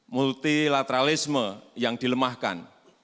multilateralisme yang dilemahkan